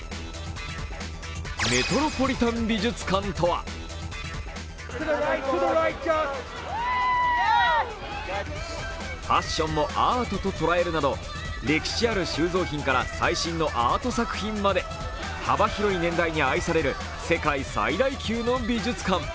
メトロポリタン美術館とはファッションも歴史ある収蔵品からファッションまで幅広い年代に愛される世界最大級の美術館。